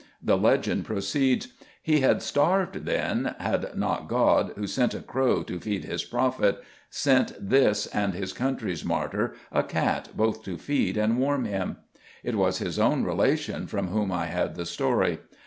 The legend proceeds: "He had starved then, had not God, who sent a crow to feed His prophet, sent this and his country's martyr a cat both to feed and warm him. It was his own relation from whom I had the story.